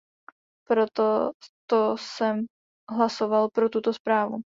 Proto to jsem hlasoval pro tuto zprávu.